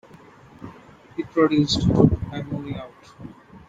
He produced "Dude, I'm Moving Out".